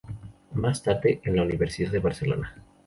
Más tarde en la Universidad de Barcelona.